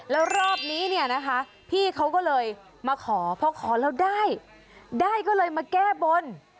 แล้วรอบนี้เนี่ยนะคะพี่เขาก็เลยมาขอพอขอแล้วได้ได้ก็เลยมาแก้บน